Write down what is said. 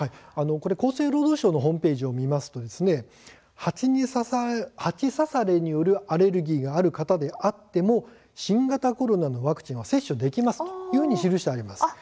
厚生労働省のホームページを見ますと蜂刺されによるアレルギーがある方であっても新型コロナのワクチンは接種できますと記してあります。